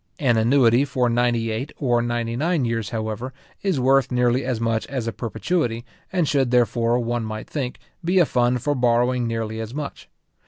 An annuity for ninety eight or ninety nine years, however, is worth nearly as much as a perpetuity, and should therefore, one might think, be a fund for borrowing nearly as much.